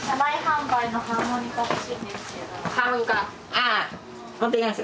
はい。